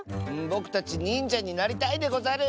ぼくたちにんじゃになりたいでござる！